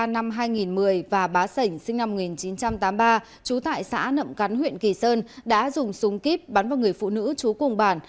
năm hai nghìn một mươi và bá sảnh sinh năm một nghìn chín trăm tám mươi ba trú tại xã nậm cắn huyện kỳ sơn đã dùng súng kíp bắn vào người phụ nữ chú cùng bản